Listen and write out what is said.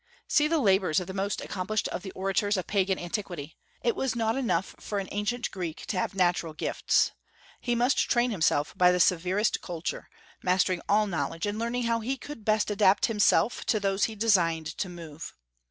See the labors of the most accomplished of the orators of Pagan antiquity. It was not enough for an ancient Greek to have natural gifts; he must train himself by the severest culture, mastering all knowledge, and learning how he could best adapt himself to those he designed to move.